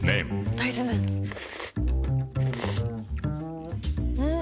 大豆麺ん？